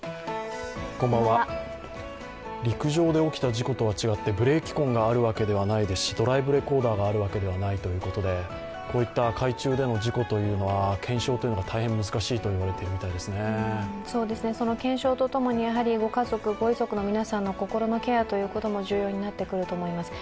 陸上で起きた事故とは違ってブレーキ痕があるわけでは泣いてすしドライブレコーダーがあるわけではないということで、こういった海中での事故は検証が大変難しいと言われているみたいその検証とともにご家族、ご遺族の皆さんの心のケアということも重要になってくると思います。